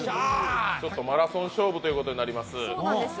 マラソン勝負ということになります。